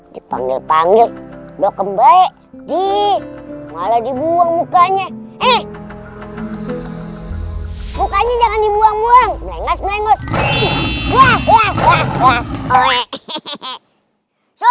dipanggil panggil dokem baik di malah dibuang mukanya mukanya jangan dibuang buang lengket